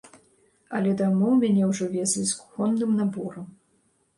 Але дамоў мяне ўжо везлі з кухонным наборам.